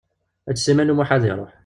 Eǧǧ Sliman U Muḥ ad iṛuḥ.